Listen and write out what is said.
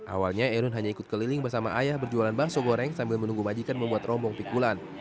awalnya erun hanya ikut keliling bersama ayah berjualan bakso goreng sambil menunggu majikan membuat rombong pikulan